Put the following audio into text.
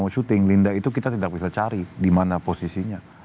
syuting linda itu kita tidak bisa cari di mana posisinya